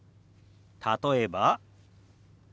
例えば。